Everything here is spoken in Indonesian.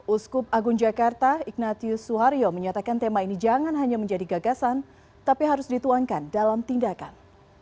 uskup agung jakarta ignatius suhario menyatakan tema ini jangan hanya menjadi gagasan tapi harus dituangkan dalam tindakan